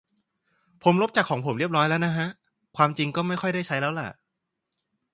ผมลบจากของผมเรียบแล้วนะฮะ ความจริงก็ไม่ค่อยได้ใช้ แล้วล่ะ